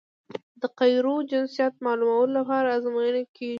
د قیرو جنسیت معلومولو لپاره ازموینې کیږي